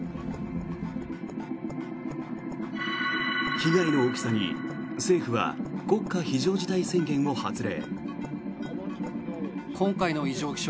被害の大きさに政府は国家非常事態宣言を発令。